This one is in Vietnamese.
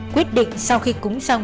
quyết định sau khi cúng xong